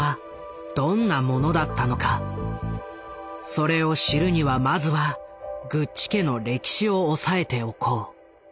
それを知るにはまずはグッチ家の歴史を押さえておこう。